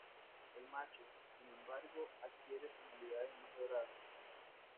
El macho, sin embargo, adquiere tonalidades más doradas.